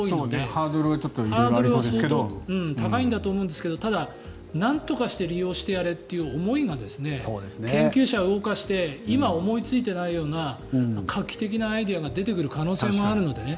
ハードルは高いんでしょうけどただ、なんとかして利用してやれという思いが研究者を動かして今、思いついていないような画期的なアイデアが出てくる可能性もあるのでね。